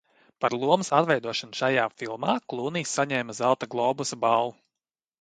Par lomas atveidošanu šajā filmā Klūnijs saņēma Zelta globusa balvu.